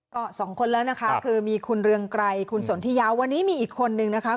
ก็สองคนแล้วนะคะคือมีคุณเรืองไกรคุณสนทิยาวันนี้มีอีกคนนึงนะคะ